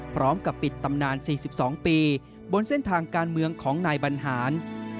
พร้อมกับปิดตำนาน๔๒ปีบนเส้นทางการเมืองของนายบรรหาร